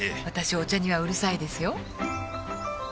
私お茶にはうるさいですよ